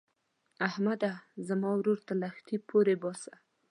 احمده؛ زما ورور تر لښتي پورې باسه.